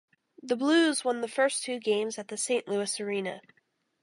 The Blues won the first two games at the Saint Louis Arena.